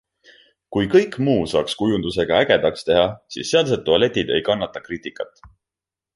Kui kõik muu saaks kujundusega ägedaks teha, siis sealsed tualetid ei kannata kriitikat.